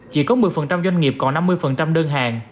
chỉ có một mươi doanh nghiệp còn năm mươi đơn hàng